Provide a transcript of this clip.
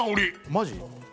マジ？